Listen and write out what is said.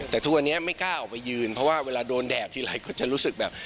แต่ทุกวันนี้ไม่กล้าออกไปยืนเพราะว่าเวลาโดนแดดทีหลายคนจะรู้สึกแบบ